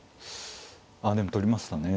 あでも取りましたね。